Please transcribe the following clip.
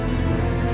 oke sampai jumpa